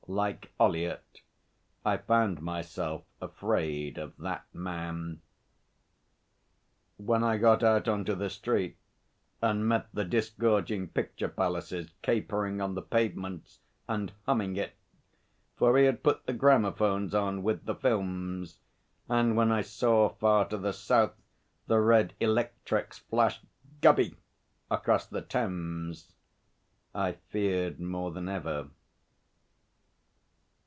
Like Ollyett I found myself afraid of that man. When I got out into the street and met the disgorging picture palaces capering on the pavements and humming it (for he had put the gramophones on with the films), and when I saw far to the south the red electrics flash 'Gubby' across the Thames, I feared more than ever.